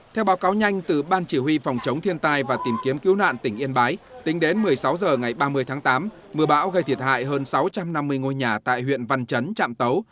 theo báo cáo nhanh từ ban chỉ huy phòng chống thiên tai và tìm kiếm cứu nạn tỉnh yên bái tính đến một mươi sáu h ngày ba mươi tháng tám mưa bão gây thiệt hại hơn sáu trăm năm mươi ngôi nhà tại huyện văn chấn trạm tấu